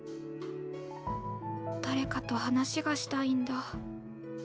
誰かと話がしたいんだ。